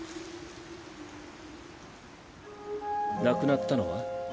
亡くなったのは？